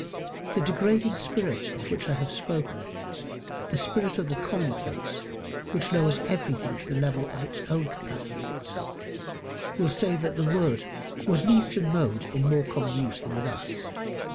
The degrading spirit of which I have spoken, the spirit of the commonplace, which lowers everything to the level of its own capacity of belief, will say that the word was an eastern mode in more common use than with us.